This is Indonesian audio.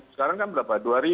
sekarang kan berapa